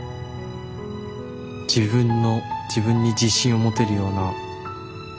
自分の自分に自信を持てるような。